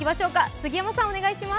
杉山さん、お願いします。